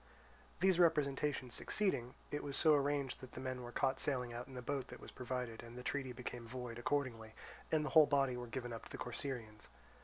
These representations succeeding, it was so arranged that the men were caught sailing out in the boat that was provided, and the treaty became void accordingly, and the whole body were given up to the Corcyraeans.